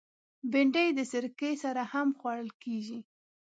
بېنډۍ د سرکه سره هم خوړل کېږي